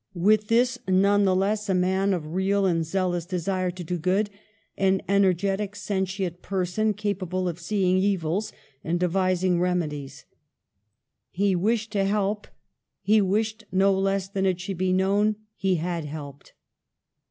With this, none the less a man of real and zealous de sire to do good, an energetic, sentient person capable of seeing evils and devising remedies. He wished to help : he wished no less that it should be known he had helped.